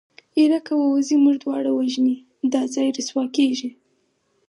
يره که ووځې موږ دواړه وژني دا ځای رسوا کېږي.